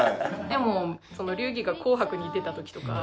でも龍儀が紅白に出た時とか。